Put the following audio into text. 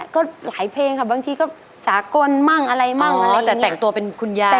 ก็หลายเพลงครับบางทีก็สากลมั่งอะไรแต่งตัวเป็นคุณยาย